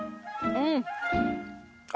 うん！